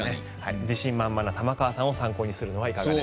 自信満々な玉川さんを参考にするのがいいかなと。